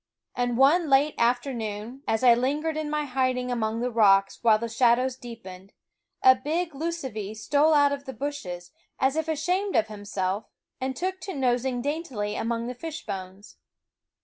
And one late afternoon, as I lingered in my hiding among the rocks while the shadows deepened, a big lucivee stole out of the bushes, as if ashamed of himself, and took to nosing daintily among the fish bones.